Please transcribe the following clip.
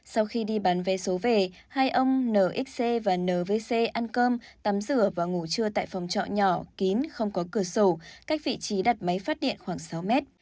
sau khi đi bán vé số về hai ông nxc và nvc ăn cơm tắm rửa và ngủ trưa tại phòng trọ nhỏ kín không có cửa sổ cách vị trí đặt máy phát điện khoảng sáu mét